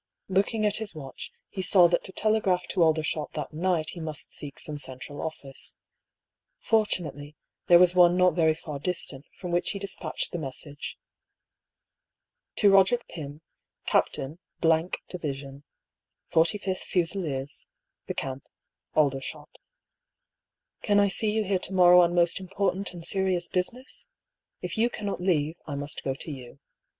Looking at his watch, he saw that to telegraph to Aldershot that night he must seek some central office. Fortunately, there was one not very far distant, from which he despatched this message :—" To Roderick Pym^ Captain — Division^ " J/Sth Fusiliers^ The Camp^ Aldershot " Can I see you here to morrow on most important and serious business f If you cannot leave, I must go to you.